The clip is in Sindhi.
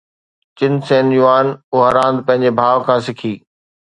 چن سين يوان اها راند پنهنجي ڀاءُ کان سکي